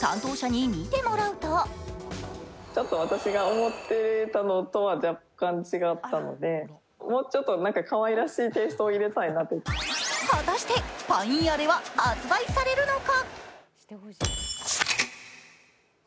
担当者に見てもらうと果たしてパインアレは発売されるのか。